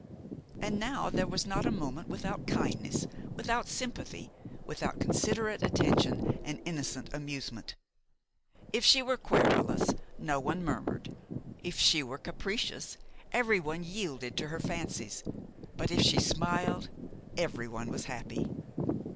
And now there was not a moment without kindness, without sympathy, without considerate attention and innocent amusement. If she were querulous, no one murmured; if she were capricious, everyone yielded to her fancies; but if she smiled, everyone was happy.